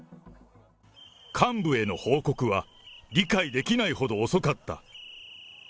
幹部への報告は理解できないほど遅かった。